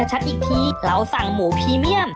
ชัดอีกทีเราสั่งหมูพรีเมียม